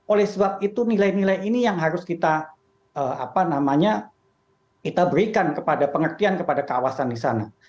oleh sebab itu nilai nilai ini yang harus kita berikan kepada pengertian kepada kawasan di sana